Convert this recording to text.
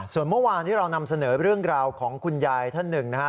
ส่วนเมื่อวานนี้เรานำเสนอเรื่องราวของคุณยายท่านหนึ่งนะฮะ